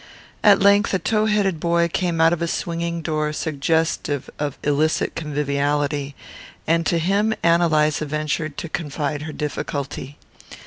At length a tow headed boy came out of a swinging door suggestive of illicit conviviality, and to him Ann Eliza ventured to confide her difficulty.